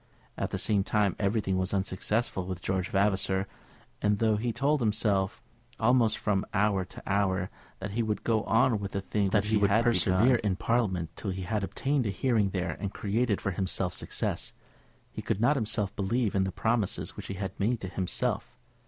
At the present time everything was unsuccessful with George Vavasor; and though he told himself, almost from hour to hour, that he would go on with the thing which he had begun, that he would persevere in Parliament till he had obtained a hearing there and created for himself success, he could not himself believe in the promises which he had made to himself.